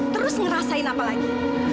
terus ngerasain apa lagi